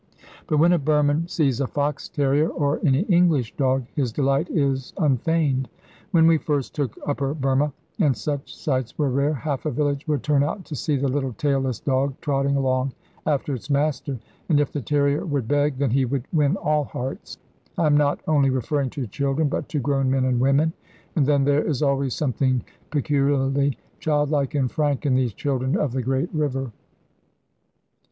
But when a Burman sees a fox terrier or any English dog his delight is unfeigned. When we first took Upper Burma, and such sights were rare, half a village would turn out to see the little 'tail less' dog trotting along after its master. And if the terrier would 'beg,' then he would win all hearts. I am not only referring to children, but to grown men and women; and then there is always something peculiarly childlike and frank in these children of the great river.